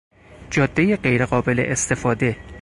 جادهی غیرقابل استفاده